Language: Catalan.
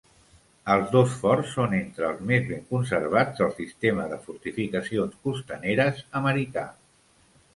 Els dos forts són entre els més ben conservats del sistema de fortificacions costaneres americà.